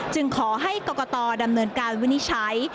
จึงขอให้กรกตดำเนินการวินิใช้